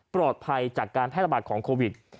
ปลอดภัยจากการแพร่ระบาดของโควิด